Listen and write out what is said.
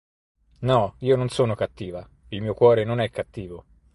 No, io non sono cattiva; il mio cuore non è cattivo.